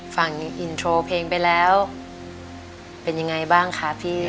ฟังอินโทรเพลงไปแล้วเป็นยังไงบ้างคะพี่